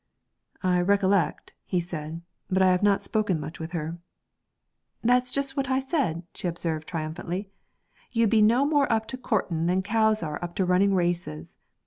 'I recollect,' he said; 'but I have not spoken much with her.' 'That's just what I said,' she observed triumphantly. 'You'd be no more up to courting than cows are up to running races.